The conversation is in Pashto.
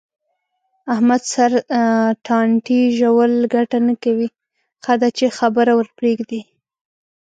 احمد سره ټانټې ژول گټه نه کوي. ښه ده چې خبره ورپرېږدې.